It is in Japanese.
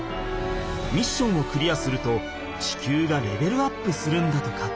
ミッションをクリアすると地球がレベルアップするんだとか。